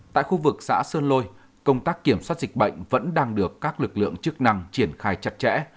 tại khu vực xã sơn lôi công tác kiểm soát dịch bệnh vẫn đang được các lực lượng chức năng triển khai chặt chẽ